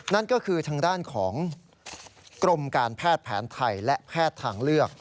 นั่นก็คือทางด้านของกรมการแพทย์แผนไทยและแพทย์ทางเลือก